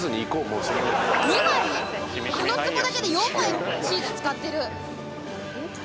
２枚あのつぼだけで４枚チーズ使ってる。